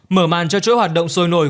mở màn cho chối hoạt động sôi nổi